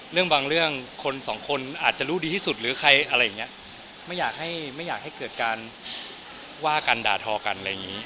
เรื่องบางเรื่องคนสองคนอาจจะรู้ดีที่สุดหรือใครอะไรอย่างเงี้ยไม่อยากให้ไม่อยากให้เกิดการว่ากันด่าทอกันอะไรอย่างนี้